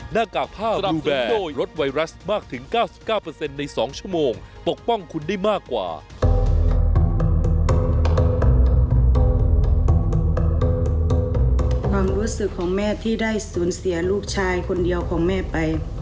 มีความรู้สึกของแม่ที่ได้สูญเสียลูกชายคนเดียวของแม่ไปมันเป็นอะไรที่เป็นการสูญเสียลูกชายคนเดียวของแม่ไป